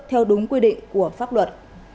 theo đúng quy định của pháp luật